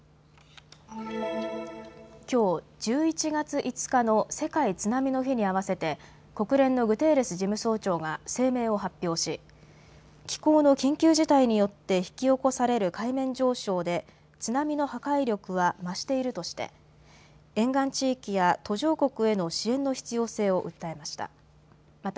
きょう、１１月５日の世界津波の日に合わせて国連のグテーレス事務総長が声明を発表し気候の緊急事態によって引き起こされる海面上昇で津波の破壊力は増しているとして沿岸地域や途上国への支援の必要性を訴えました。